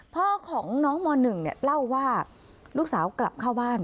พ่อของน้องม๑เล่าว่าลูกสาวกลับเข้าบ้าน